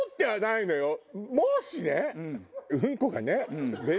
もしね。